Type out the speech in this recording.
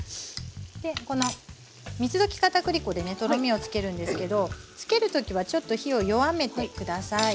でこの水溶き片栗粉でとろみをつけるんですけどつける時はちょっと火を弱めて下さい。